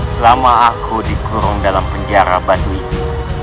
selama aku dikurung dalam penjara batu itu